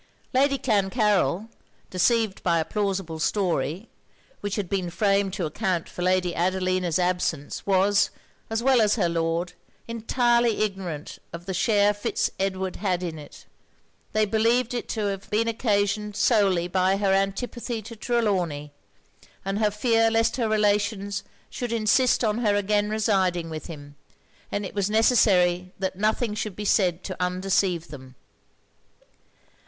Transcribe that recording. Lady Clancarryl, deceived by a plausible story, which had been framed to account for Lady Adelina's absence, was, as well as her Lord, entirely ignorant of the share Fitz Edward had in it: they believed it to have been occasioned solely by her antipathy to Trelawny, and her fear lest her relations should insist on her again residing with him; and it was necessary that nothing should be said to undeceive them.